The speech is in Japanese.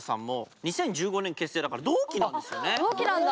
同期なんだ。